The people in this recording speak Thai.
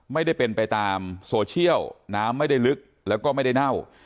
ไม่ได้เป็นไปตามโซเชียลน้ำไม่ได้ลึกแล้วก็ไม่ได้เน่า